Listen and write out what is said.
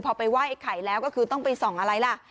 พอไปไหว้ไอ้ไข่แล้วก็คือต้องไปส่องอะไรล่ะ